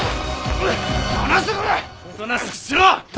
おとなしくしろ！